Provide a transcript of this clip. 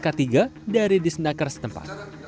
k tiga dari disnaker setempat